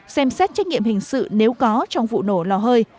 xem xét trách nhiệm hình sự nếu có trong vụ nổ lò hơi